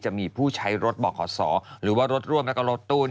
จะมีผู้ใช้รถบ่อข่อสอหรือว่ารถร่วมและรถตู้